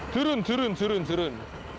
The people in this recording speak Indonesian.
turun turun turun